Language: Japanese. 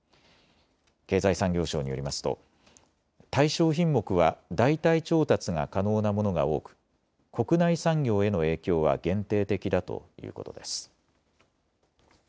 経済産業省によりますと対象品目は代替調達が可能なものが多く国内産業への影響は限定的だということです。